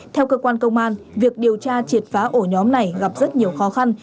theo cơ quan công an việc điều tra triệt phá ổ nhóm này gặp rất nhiều khó khăn